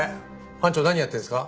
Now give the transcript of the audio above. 班長何やってるんですか？